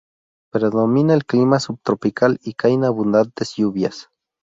Predomina el clima subtropical, y caen abundantes lluvias.